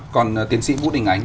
còn tiến sĩ bú đình ánh